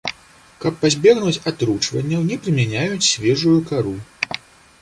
Каб пазбегнуць атручванняў, не прымяняюць свежую кару.